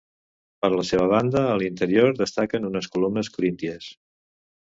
Per la seva banda a l'interior destaquen unes columnes corínties.